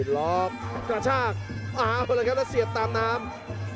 หลอกกระชากเอาเลยครับแล้วเสียบตามน้ำ